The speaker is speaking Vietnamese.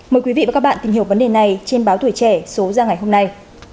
mời quý vị và các bạn tìm hiểu vấn đề này trên báo tuổi trẻ số ra ngày hôm nay